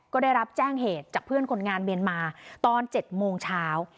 ก็ได้รับแจ้งเหตุจากเพื่อนคนงานเมียนมาตอน๗โมงเช้า